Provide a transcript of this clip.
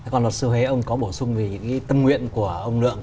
còn lọt sư huế ông có bổ sung về những tâm nguyện của ông nượng